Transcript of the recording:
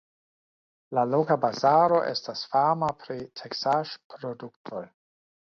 La loka bazaro estas fama pri teksaĵproduktoj.